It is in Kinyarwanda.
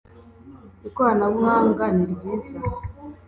ikoranabuhanga niryiza